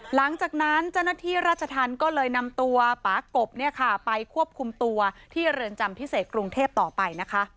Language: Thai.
หลังจากนั้นเจ้าหน้าที่ราชธรรมก็เลยนำตัวป๊ากบไปควบคุมตัวที่เรือนจำพิเศษกรุงเทพต่อไปนะคะ